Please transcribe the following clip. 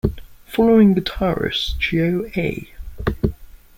Following guitarist Joe A.